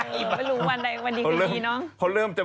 ไม่รู้วันไหนวันดีกว่าที่น้อง